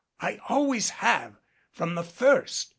I always have from the first.